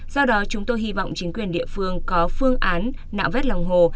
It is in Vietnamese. do đó chúng tôi hy vọng chính quyền địa phương có phương án nạo vét lòng hồ